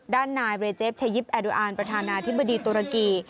ด้านนายเรเจฟชายิปแอดูอันประธานาธิบดีตุรกี